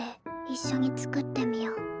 一緒に作ってみよう。